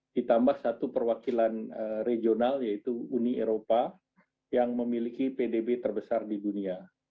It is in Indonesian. ditambah satu perwakilan regional yaitu uni eropa yang memiliki pdb terbesar di dunia